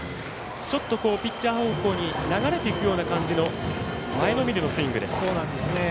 ピッチャー方向に流れていくような前のめりのスイングです。